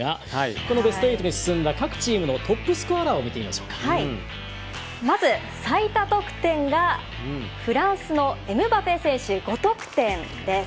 このベスト８に進んだ各チームのトップスコアラーをまず、最多得点がフランスのエムバペ選手５得点です。